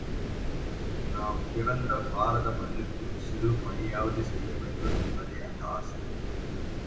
நாம் பிறந்த பாரத மண்ணுக்கு சிறுபணியாவது செய்ய வேண்டும் என்பதே அந்த ஆசை.